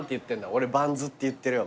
俺バンズって言ってるよ